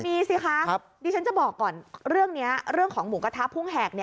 มีสิคะดิฉันจะบอกก่อนเรื่องนี้เรื่องของหมูกระทะพุ่งแหก